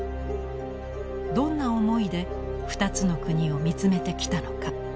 どんな思いで２つの国を見つめてきたのか。